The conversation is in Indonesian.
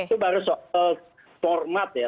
itu baru soal format ya